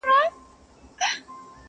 چي په سیند کي پورته ږغ د جاله وان سي!.